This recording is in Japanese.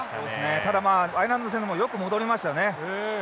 ただアイルランドの選手もよく戻りましたね。